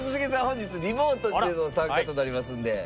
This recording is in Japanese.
本日リモートでの参加となりますので。